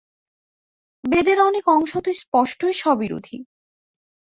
বেদের অনেক অংশ তো স্পষ্টই স্ববিরোধী।